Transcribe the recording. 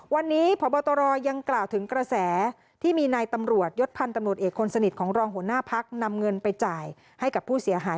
วันนี้พบตรยังกล่าวถึงกระแสที่มีนายตำรวจยศพันธ์ตำรวจเอกคนสนิทของรองหัวหน้าพักนำเงินไปจ่ายให้กับผู้เสียหาย